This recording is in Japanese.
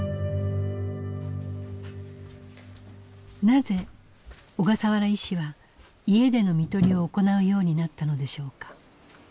なぜ小笠原医師は家での看取りを行うようになったのでしょうか。